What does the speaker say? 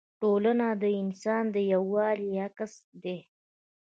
ټولنه د انسان د یووالي عکس دی.